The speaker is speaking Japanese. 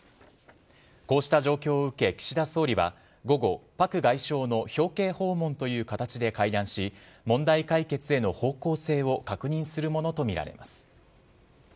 こうした状況を受け、岸田総理は、午後、パク外相の表敬訪問という形で会談し、問題解決への方向性を確認するものと見られます。